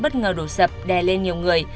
bất ngờ đổ sập đè lên nhiều người